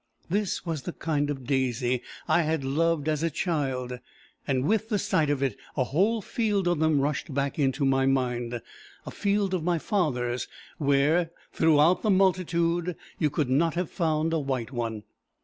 This was the kind of daisy I had loved as a child; and with the sight of it, a whole field of them rushed back into my mind; a field of my father's where, throughout the multitude, you could not have found a white one.